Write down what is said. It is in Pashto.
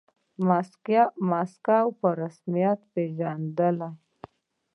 موسکو په رسميت وپیژندلې.